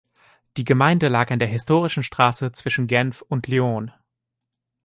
Die Gemeinde lag an der historischen Strasse zwischen Genf und Lyon.